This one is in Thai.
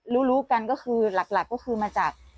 รู้กันก็คือหลักมาจาก